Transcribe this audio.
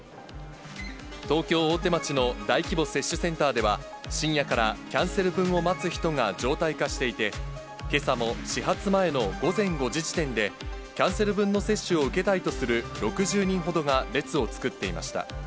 東京・大手町の大規模接種センターでは、深夜からキャンセル分を待つ人が常態化していて、けさも始発前の午前５時時点で、キャンセル分の接種を受けたいとする６０人ほどが列を作っていました。